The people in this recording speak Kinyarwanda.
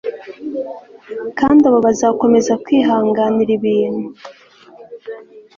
Kandi abo bazakomeza kwihanganira ibintu